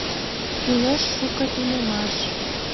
Кӱлеш шуко тунемаш.